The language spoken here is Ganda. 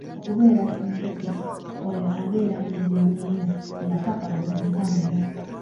Okubeera Ssenkotwe; oyo abeera muzibu nnyo nga takolaganika naye.